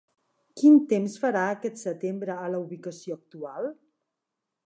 Quin temps farà aquest setembre a la ubicació actual?